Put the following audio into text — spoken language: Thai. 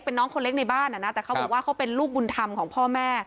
เป็นน้องคนเล็กในบ้านอ่ะนะแต่เขาบอกว่าเขาเป็นลูกบุญธรรมของพ่อแม่